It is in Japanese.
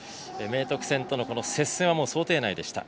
明徳との接戦は想定内でした。